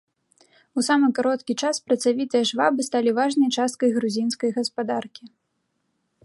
У самы кароткі час працавітыя швабы сталі важнай часткай грузінскай гаспадаркі.